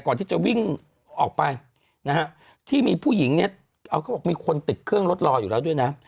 ก่อนที่จะวิ่งออกไปนะฮะที่มีผู้หญิงเนี่ยเอาเขาบอกมีคนติดเครื่องรถรออยู่แล้วด้วยนะ